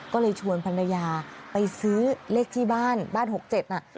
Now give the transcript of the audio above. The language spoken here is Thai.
ก็เลยชวนภรรยาไปซื้อเลขที่บ้านบ้าน๖๗น่ะ